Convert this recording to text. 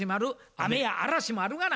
雨や嵐もあるがな。